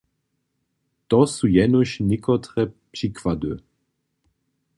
To su jenož někotre přikłady.